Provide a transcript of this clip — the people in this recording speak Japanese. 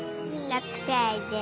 ６歳です。